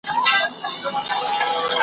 نه په سیند نه په ویالو کي به بهیږي .